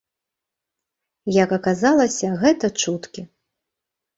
Як аказалася, гэта чуткі.